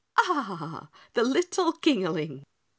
"Ah, the little Kingaling!"